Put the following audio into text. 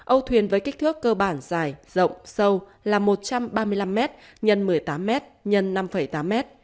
âu thuyền với kích thước cơ bản dài rộng sâu là một trăm ba mươi năm m x một mươi tám m x x năm tám m